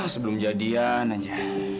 sebelum jadian aja